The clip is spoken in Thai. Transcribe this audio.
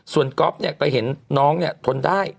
ส่วนก๊อฟเนี่ยก็เห็นน้องเนี่ยทนได้